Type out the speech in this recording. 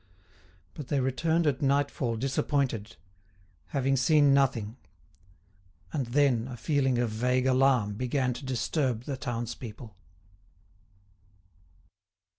But they returned at nightfall disappointed, having seen nothing; and then a feeling of vague alarm began to disturb the townspeople.